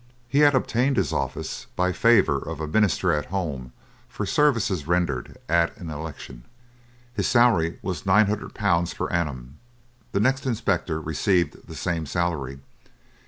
He had obtained his office by favour of a minister at home for services rendered at an election. His salary was 900 pounds per annum. The next inspector received the same salary.